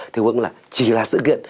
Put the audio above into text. thì vẫn là chỉ là sự kiện